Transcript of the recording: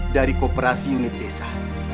dari koperasi unit desa